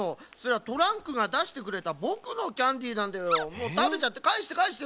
もうたべちゃってかえしてかえして。